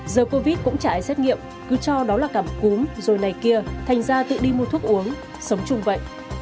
giờ covid cũng trải xét nghiệm cứ cho đó là cảm cúm rồi này kia thành ra tự đi mua thuốc uống sống chung vậy